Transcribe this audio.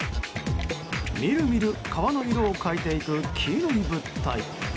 みるみる川の色を変えていく黄色い物体。